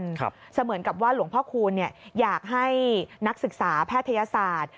เหมือนกับว่าหลวงพ่อคูณเนี่ยอยากให้นักศึกษาแพทยศาสตร์